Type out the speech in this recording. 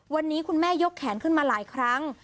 วันนี้คุณแม่ยกแขนขึ้นมาหลายครั้ง